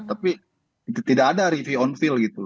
tapi itu tidak ada review on field gitu